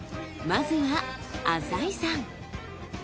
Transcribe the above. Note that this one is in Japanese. まずは朝井さん。